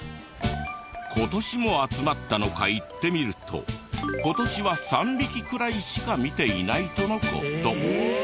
今年も集まったのか行ってみると今年は３匹くらいしか見ていないとの事。